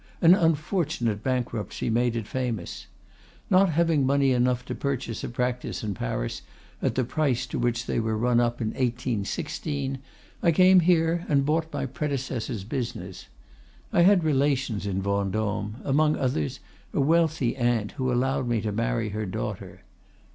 An unfortunate bankruptcy made it famous.—Not having money enough to purchase a practice in Paris at the price to which they were run up in 1816, I came here and bought my predecessor's business. I had relations in Vendôme; among others, a wealthy aunt, who allowed me to marry her daughter.